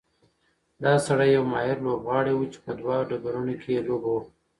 دا سړی یو ماهر لوبغاړی و چې په دوه ډګرونو کې یې لوبه وکړه.